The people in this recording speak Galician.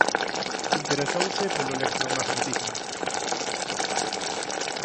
Interesouse polo electromagnetismo.